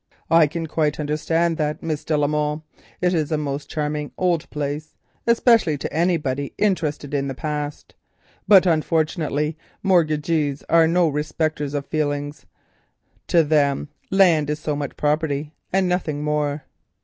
"I can quite understand that, Miss de la Molle; it is a most charming old place, especially to anybody interested in the past. But unfortunately mortgagees are no respecters of feelings. To them land is so much property and nothing more."